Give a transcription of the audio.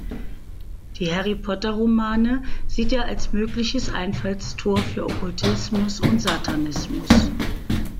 Die Harry-Potter-Romane sieht er als mögliches Einfallstor für Okkultismus und Satanismus.